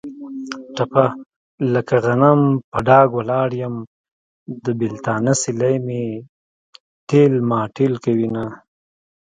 ټپه: لکه غنم په ډاګ ولاړ یم. د بېلتانه سیلۍ مې تېل ماټېل کوینه.